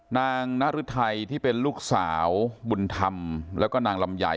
นางนฤทัยที่เป็นลูกสาวบุญธรรมแล้วก็นางลำไย